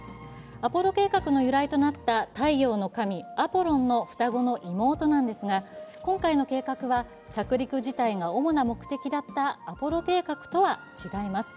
アポロ計画の由来となった太陽の神・アポロンの双子の妹なんですが今回の計画は着陸自体が主な目的だったアポロ計画とは違います。